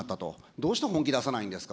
どうして本気出さないんですか。